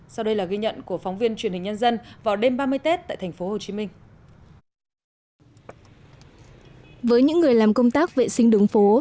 sau đây là ghi nhận của phóng viên truyền hình nhân dân vào đêm ba mươi tết tại thành phố hồ chí minh